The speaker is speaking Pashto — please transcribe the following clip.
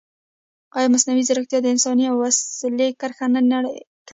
ایا مصنوعي ځیرکتیا د انسان او وسیلې کرښه نه نری کوي؟